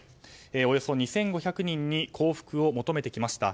およそ２５００人に降伏を求めてきました。